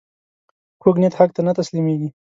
کوږ نیت حق ته نه تسلیمېږي